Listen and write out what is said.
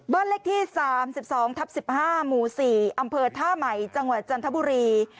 บ้านเลขที่สามสิบสองทับสิบห้าหมู่สี่อำเภอท่าใหม่จังหวัดจันทบุรี